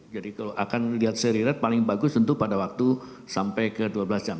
jadi kalau akan melihat seri red paling bagus tentu pada waktu sampai ke dua belas jam